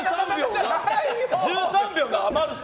１３秒が余るって。